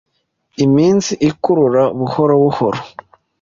Iminsi ikurura buhoro buhoro.